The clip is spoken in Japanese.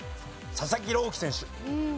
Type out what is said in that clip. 佐々木朗希選手。